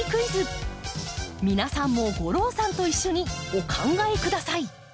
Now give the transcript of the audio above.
皆さんも吾郎さんと一緒にお考えください。